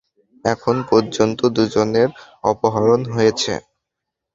এখন পর্যন্ত দুজনের অপহরণ হয়েছে।